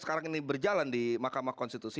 sekarang ini berjalan di mahkamah konstitusi